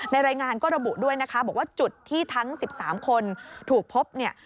รายงานก็ระบุด้วยนะคะบอกว่าจุดที่ทั้ง๑๓คนถูกพบเนี่ย